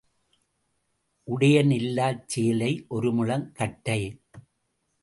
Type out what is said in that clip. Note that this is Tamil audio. உடையன் இல்லாச் சேலை ஒருமுழம் கட்டை.